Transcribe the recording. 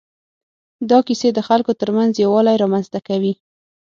دا کیسې د خلکو تر منځ یووالی رامنځ ته کوي.